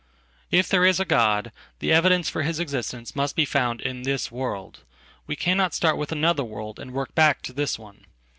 If there is a God, the evidence for his existence must befound in this world. We cannot start with another world and workback to this one.